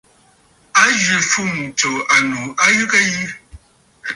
A zwì fûm tso annù a yəgə yi.